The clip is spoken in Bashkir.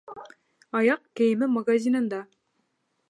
Аяҡ кейеме магазинында